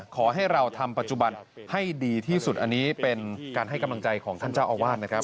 ขอให้เราทำปัจจุบันให้ดีที่สุดอันนี้เป็นการให้กำลังใจของท่านเจ้าอาวาสนะครับ